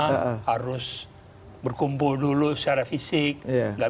kalau kita bayangkan misalnya untuk minta izin penyadapan aja